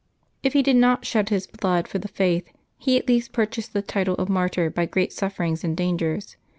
If he did not shed his blood for the Paith, he at least purchased the title of martyr by great sufferings and dangers.